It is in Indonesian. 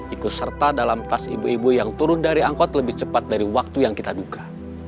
ikut serta dalam tas ibu ibu yang turun dari angkot lebih cepat dari waktu yang kita duka